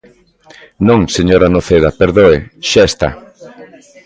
Non, señora Noceda, perdoe, xa está.